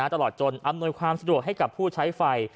ตลอดจนอำนวยความสะดวกให้กับผู้ใช้ไฟ